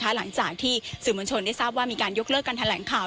หลังจากที่สื่อมวลชนได้ทราบว่ามีการยกเลิกการแถลงข่าว